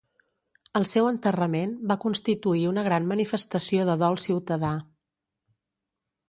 El seu enterrament va constituir una gran manifestació de dol ciutadà.